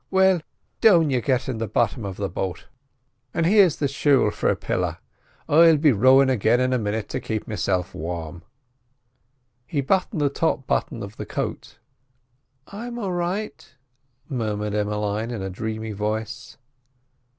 Well, down you get in the bottom of the boat, and here's the shawl for a pilla. I'll be rowin' again in a minit to keep meself warm." He buttoned the top button of the coat. "I'm a'right," murmured Emmeline in a dreamy voice.